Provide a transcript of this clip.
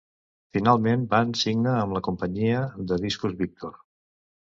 Finalment van signa amb la companyia de discos Victor.